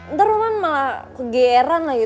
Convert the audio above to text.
ntar roman malah kegeran lagi